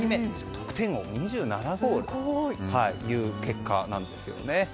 得点王で２７ゴールという結果なんですよね。